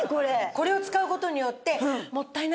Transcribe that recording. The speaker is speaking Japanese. これを使う事によって。